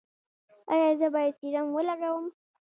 ایا زه باید سیروم ولګوم؟